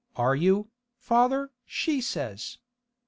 "Are you, father?" she says.